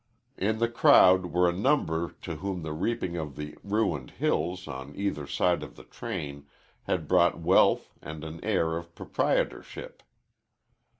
In the crowd were a number to whom the reaping of the ruined hills, on either side of the train, had brought wealth and an air of proprietorship.